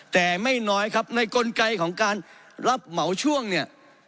แต่ไม่น้อยครับในกลไกของการรับเหมาช่วงเนี่ย